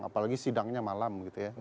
apalagi sidangnya malam